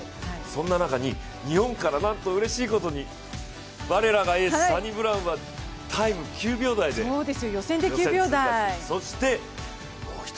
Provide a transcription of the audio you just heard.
そんな中に日本からなんとうれしいことに、我らがエース・サニブラウンはタイム９秒台で予選通過してます。